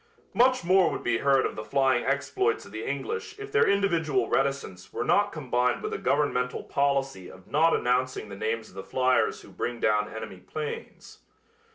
Much more would be heard of the flying exploits of the English if their individual reticence were not combined with a governmental policy of not announcing the names of the fliers who bring down enemy planes.